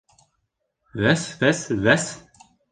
— Вәс, вәс, вәс!